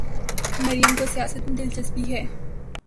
مریم کو سیاست میں دلچسپی ہے۔